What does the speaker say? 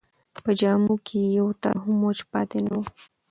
په جامو کې یې یو تار هم وچ پاتې نه و.